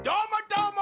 どーも！